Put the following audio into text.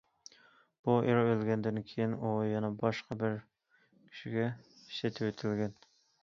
بۇ ئېرى ئۆلگەندىن كېيىن ئۇ يەنە باشقا بىر كىشىگە سېتىۋېتىلگەن.